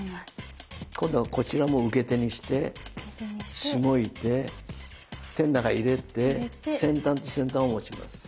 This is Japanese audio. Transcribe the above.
今度はこちらも受け手にしてしごいて手の中入れて先端と先端を持ちます。